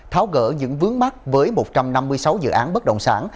tháo gỡ những vướng mắt với một trăm năm mươi sáu dự án bất động sản